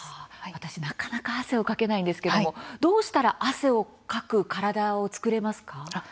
私、なかなか汗をかけないんですけどもどうしたら汗をかく体を作れますか。